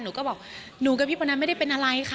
หนูก็บอกหนูกับพี่คนนั้นไม่ได้เป็นอะไรค่ะ